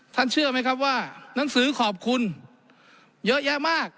เชื่อไหมครับว่าหนังสือขอบคุณเยอะแยะมาก